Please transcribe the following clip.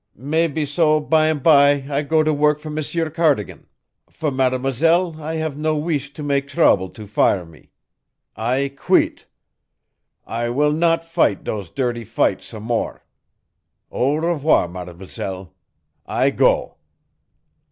Mebbeso bimeby I go to work for M'sieur Cardigan. For Mademoiselle I have no weesh to make trouble to fire me. I queet. I will not fight dose dirty fight some more. Au revoir, mademoiselle. I go."